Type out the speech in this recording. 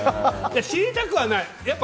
知りたくはない。